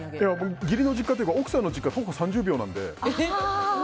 義理の実家というか奥さんの実家、徒歩３０秒なんで。